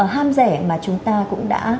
hám rẻ mà chúng ta cũng đã